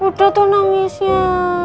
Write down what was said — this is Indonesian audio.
udah tuh nangisnya